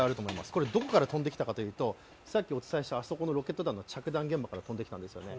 これどこから飛んできたかというとさっきお伝えしたロケット弾の着弾地点からなんですよね。